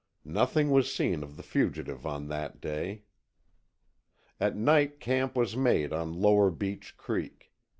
Nothing was seen of the fugitive on that day. At night camp was made on lower Beech Creek.